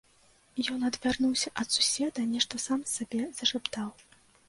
Ён адвярнуўся ад суседа, нешта сам сабе зашаптаў.